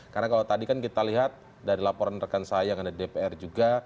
karena kalau tadi kan kita lihat dari laporan rekan saya yang ada di dpr juga